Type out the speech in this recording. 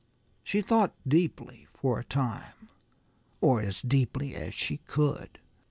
She thought deeply for a time or as deeply as she could.